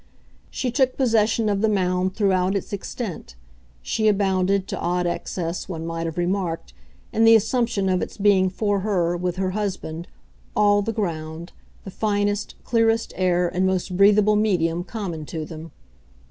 She took possession of the mound throughout its extent; she abounded, to odd excess, one might have remarked, in the assumption of its being for her, with her husband, ALL the ground, the finest, clearest air and most breathable medium common to them.